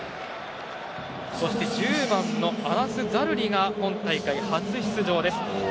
そして１０番のアナス・ザルリが今大会初出場です。